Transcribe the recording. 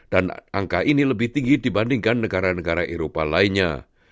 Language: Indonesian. dan angka ini lebih tinggi dibandingkan negara negara eropa lainnya